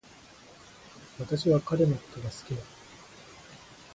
私は彼のことが好きだ